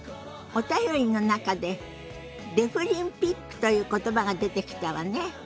お便りの中でデフリンピックという言葉が出てきたわね。